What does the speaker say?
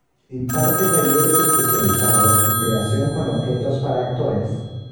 Imparte talleres especializados en creación con objetos para actores.